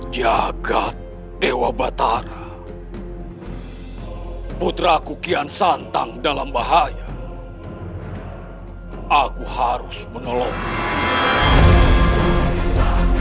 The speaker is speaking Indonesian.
jaga dewa batara putraku kian santang dalam bahaya aku harus menolong